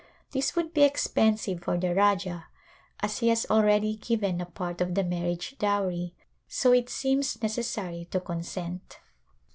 This would be expensive for the Rajah as he has al ready given a part of the marriage dowry, so it seems necessary to consent.